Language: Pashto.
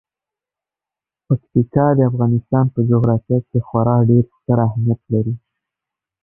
پکتیکا د افغانستان په جغرافیه کې خورا ډیر ستر اهمیت لري.